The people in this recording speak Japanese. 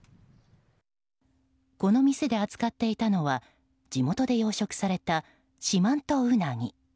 この店で扱っていたのは地元で養殖された四万十うなぎ。